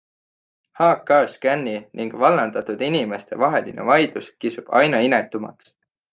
HKScani ning vallandatud inimeste vaheline vaidlus kisub aina inetumaks.